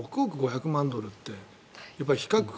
あと６億５００万ドルって比較